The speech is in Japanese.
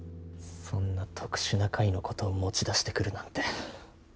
そんな特殊な回のことを持ち出してくるなんて。